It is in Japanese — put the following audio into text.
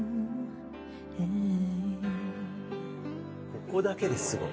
ここだけですごい。